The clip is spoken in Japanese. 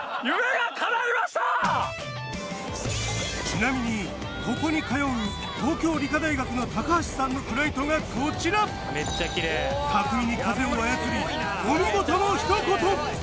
ちなみにここに通う東京理科大学の高橋さんのフライトがこちら巧みに風を操りお見事のひと言！